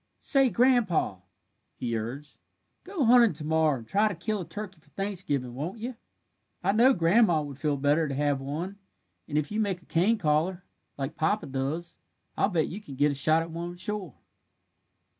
"Say, Grandpa," he urged, "go hunting to morrow and try to kill a turkey for Thanksgiving, won't you? I know grandma would feel better to have one, and if you make a cane caller, like papa does, I'll bet you can get a shot at one sure."